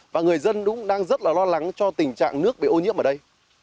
và người dân cũng đang rất là lo lắng cho tình trạng nước bị ô nhiễm ở đây